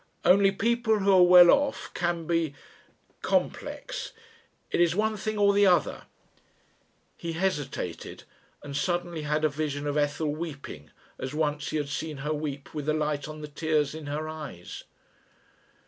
Only people who are well off can be complex. It is one thing or the other " He hesitated and suddenly had a vision of Ethel weeping as once he had seen her weep with the light on the tears in her eyes.